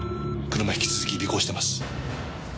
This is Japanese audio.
車引き続き尾行してます。